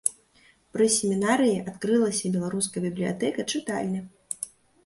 Пры семінарыі адкрылася беларуская бібліятэка-чытальня.